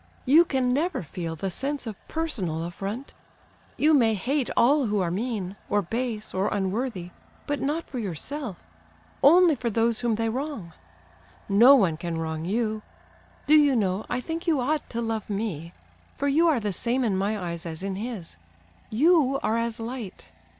You can never feel the sense of personal affront. You may hate all who are mean, or base, or unworthy—but not for yourself—only for those whom they wrong. No one can wrong you. Do you know, I think you ought to love me—for you are the same in my eyes as in his—you are as light.